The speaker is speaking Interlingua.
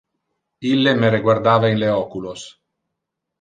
Ille me reguardava in le oculos.